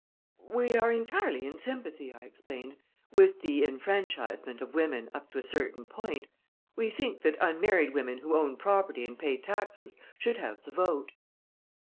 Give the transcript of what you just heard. "We are entirely in sympathy," I explained, "with the enfranchisement of women up to a certain point. We think that unmarried women who own property and pay taxes should have the vote."